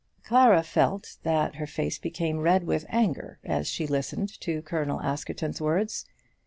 Clara felt that her face became red with anger as she listened to Colonel Askerton's words.